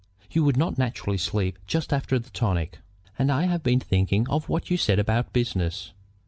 You would not naturally sleep just after the tonic." "And I have been thinking of what you said about business.